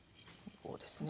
こうですね